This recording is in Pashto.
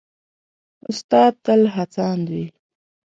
استاد تل هڅاند وي.